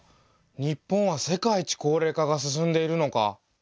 日本は世界一高齢化が進んでいるのかあ。